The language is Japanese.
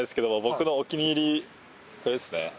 これですね。